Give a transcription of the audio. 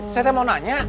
saya teh mau nanya